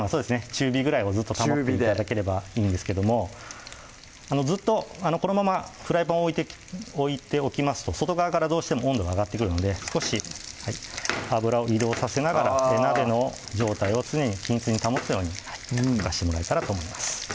中火ぐらいをずっと保って頂ければいいんですけどもずっとこのままフライパン置いておきますと外側からどうしても温度が上がってくるので少し油を移動させながら鍋の状態を常に均一に保つように動かしてもらえたらと思います